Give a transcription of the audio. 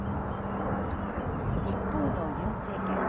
一方のユン政権。